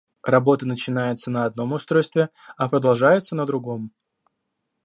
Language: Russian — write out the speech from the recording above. Работа начинается на одном устройстве, а продолжается на другом